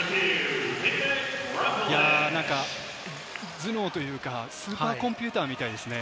頭脳というか、スーパーコンピューターみたいですね。